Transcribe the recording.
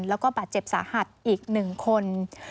แล้วก็บาดเจ็บสาหัสอีก๑คน